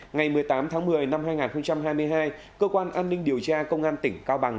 ngày một mươi tám tháng một mươi năm hai nghìn hai mươi hai cơ quan an ninh điều tra công an tỉnh cao bằng